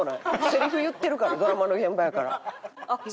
セリフ言ってるからドラマの現場やから。